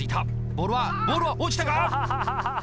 ボールはボールは落ちたが。